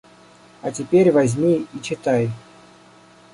– А теперь возьми и читай.